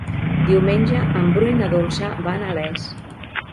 Diumenge en Bru i na Dolça van a Les.